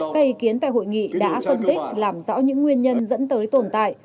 cây kiến tại hội nghị đã phân tích làm rõ những nguyên nhân dẫn tới tồn tại